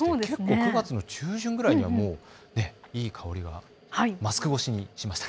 ９月の中旬ぐらいからいい香りがマスク越しにしました。